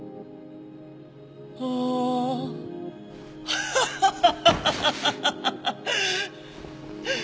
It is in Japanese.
ハハハハ！